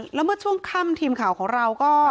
แล้วเมื่อช่วงค่ำทีมข่าวของเราก็